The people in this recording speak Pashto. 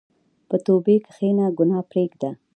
په توبې کښېنه، ګناه پرېږده.